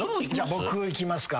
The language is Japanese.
僕いきますか。